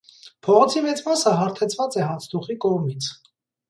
Փողոցի մեծ մասը հարթեցված է հացթուխի կողմից։